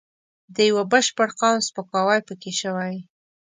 د یوه بشپړ قوم سپکاوی پکې شوی.